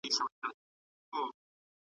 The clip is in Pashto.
د څېړني میتود په پیل کي وټاکئ.